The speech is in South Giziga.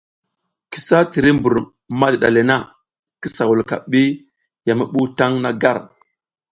Kisa tiri mbur madiɗa le na, kisa wulka ɓi ya mi ɓuw taƞ na gar.